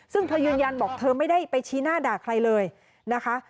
ซึ่งเธอยืนยันบอกเธอไม่ได้ไปชี้หน้าด่าใครเลยนะคะ